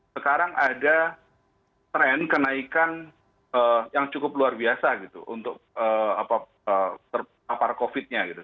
sekarang ada tren kenaikan yang cukup luar biasa gitu untuk apa terpapar covidnya gitu